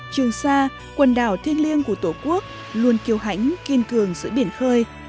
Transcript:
trường xa quần đảo thiên liêng của tổ quốc luôn kiêu hãnh kiên cường giữa biển khơi